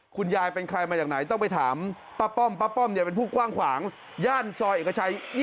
คุณยายเป็นใครมาไหนต้องไปถามป้าป้อม๑๒๒๒ญยัชนาพือชาย๒๒